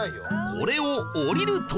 これを下りると